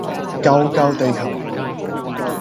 救救地球